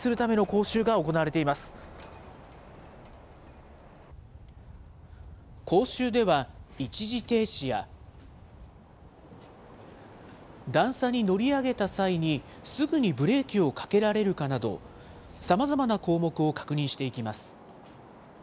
講習では一時停止や、段差に乗り上げた際にすぐにブレーキをかけられるかなど、さまざまな項目を確認していきます。